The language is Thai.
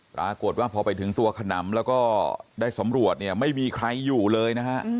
ปรากฏว่าพอไปถึงตัวขนำแล้วก็ได้สำรวจเนี่ยไม่มีใครอยู่เลยนะฮะ